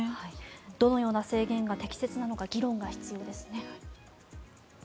どのような制限が適切なのか議論が必要ですね。